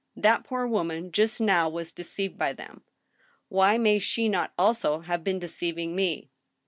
That poor woman just now was deceived by them. Why may she not ,aIso have been deceiving me